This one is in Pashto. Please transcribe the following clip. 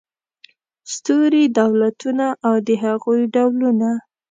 ستوري دولتونه او د هغوی ډولونه